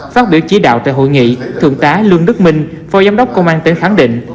phát biểu chỉ đạo tại hội nghị thượng tá lương đức minh phó giám đốc công an tỉnh khẳng định